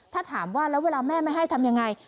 ถ้าถามว่าแล้วเวลาแม่ไม่ให้ทำยังไง